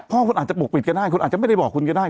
พ่อคุณอาจจะปกปิดก็ได้คุณอาจจะไม่ได้บอกคุณก็ได้